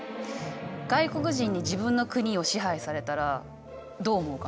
外国人に自分の国を支配されたらどう思うかな？